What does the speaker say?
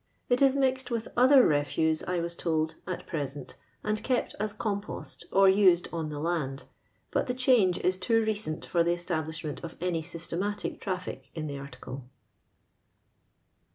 It is mixc d with other refuse, I was told, at present, and kept as compost, or used on tho land, but tbt* change is too recent for the establishment of any systematic traffic in the article.